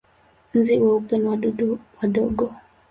Nzi weupe ni wadudu wadogo.